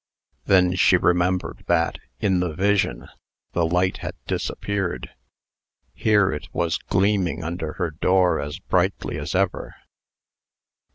Then she remembered that, in the vision, the light had disappeared. Here it was gleaming under her door as brightly as ever.